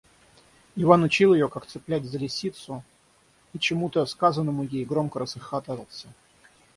Иван учил ее, как цеплять за лисицу, и чему-то сказанному ею громко расхохотался.